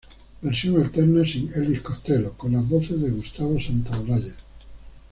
Versión alterna sin Elvis Costello, con las voces de Gustavo Santaolalla.